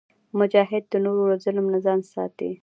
مجاهد د نورو له ظلم نه ځان ساتي.